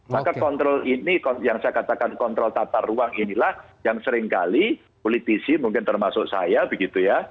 maka kontrol ini yang saya katakan kontrol tata ruang inilah yang seringkali politisi mungkin termasuk saya begitu ya